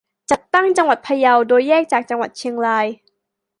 จัดตั้งจังหวัดพะเยา โดยแยกจากจังหวัดเชียงราย